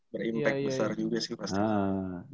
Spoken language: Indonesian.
berimpak besar juga sih pasti